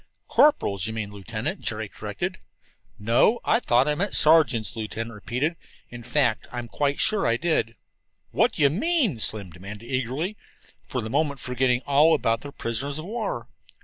"Corporals, you mean, Lieutenant," Jerry corrected. "No, I thought I meant sergeants," the lieutenant repeated. "In fact, I'm quite sure I did." "What do you mean?" Slim demanded eagerly, for the moment forgetting all about their prisoners of war.